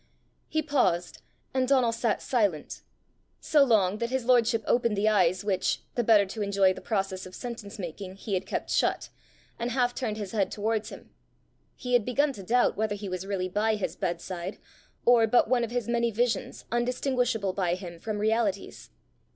He paused, and Donal sat silent so long that his lordship opened the eyes which, the better to enjoy the process of sentence making, he had kept shut, and half turned his head towards him: he had begun to doubt whether he was really by his bedside, or but one of his many visions undistinguishable by him from realities.